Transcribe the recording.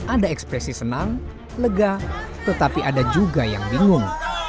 ada ekspresi senang lega tetapi ada juga yang bingung